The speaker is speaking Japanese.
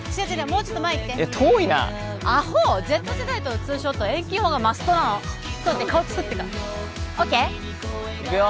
もうちょっと前行ってえっ遠いなアホＺ世代とのツーショットは遠近法がマストなのちょっと待って顔つくってからＯＫいくよ